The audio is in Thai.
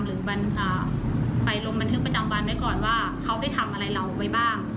หรือไปลงบันทึกประจำวันไว้ก่อนว่าเขาได้ทำอะไรเราไว้บ้าง